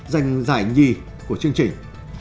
giành giải nhịp của chương trình